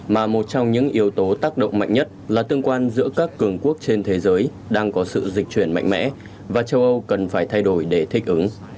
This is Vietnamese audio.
mà một trong những yếu tố tác động mạnh nhất là tương quan giữa các cường quốc trên thế giới đang có sự dịch chuyển mạnh mẽ và châu âu cần phải thay đổi để thích ứng